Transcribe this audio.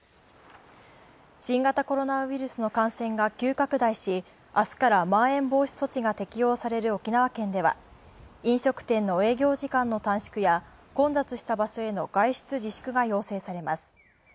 新型コロナウイルスの感染が急拡大し、明日からまん延防止措置が起用される沖縄県では飲食店の営業時間の短縮や混雑した場所への外出自粛が要請されます。